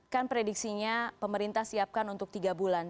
kan prediksinya pemerintah siapkan untuk tiga bulan